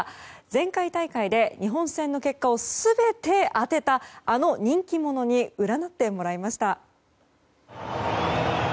前回大会で日本戦の結果を全て当てたあの人気者に占ってもらいました。